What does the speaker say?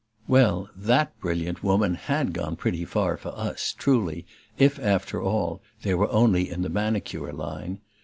Well, that brilliant woman HAD gone pretty far for us, truly, if, after all, they were only in the manicure line.